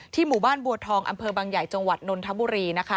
ที่หมู่บ้านบัวทองอบางใหญ่จนนทบุรีนะคะ